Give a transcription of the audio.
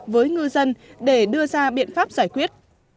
với ngư dân để đưa ra biện pháp giải quyết